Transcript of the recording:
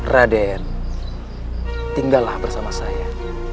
raden tinggallah bersama saya